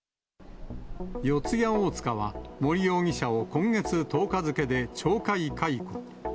四谷大塚は、森容疑者を今月１０日付で懲戒解雇。